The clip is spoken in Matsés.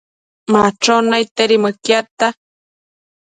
Machon naidtedi mëquiadta